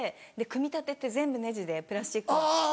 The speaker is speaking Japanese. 組み立てって全部ネジでプラスチック。